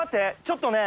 ちょっとね。